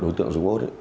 đối tượng dũng út